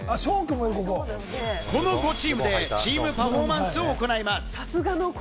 この５チームでチーム・パフォーマンスを行います。